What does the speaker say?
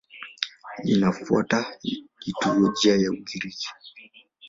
Linafuata liturujia ya Ugiriki.